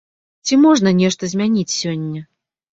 Ці можна нешта змяніць сёння?